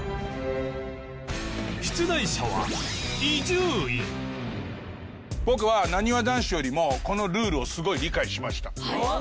出題者は僕はなにわ男子よりもこのルールをすごい理解しました。